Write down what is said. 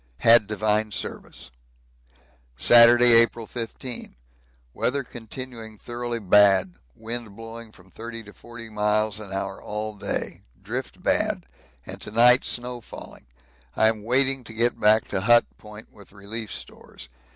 Had divine service. Saturday, April 15. Weather continuing thoroughly bad. Wind blowing from 30 to 40 miles an hour all day; drift bad, and to night snow falling. I am waiting to get back to Hut Point with relief stores.